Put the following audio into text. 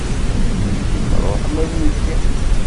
Kemm ṛuḥ ma d nekk fiḥel.